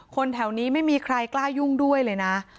แถวนี้ไม่มีใครกล้ายุ่งด้วยเลยนะ